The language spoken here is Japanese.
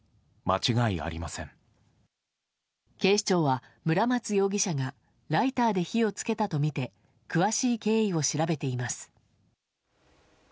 警視庁は村松容疑者がライターで火をつけたとみて詳しい経緯を調べています。